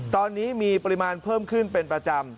ตอนนี้มีปริมาณเพิ่มขึ้นเป็นประจำ